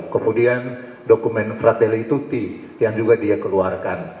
kemudian dokumen frateletuti yang juga dia keluarkan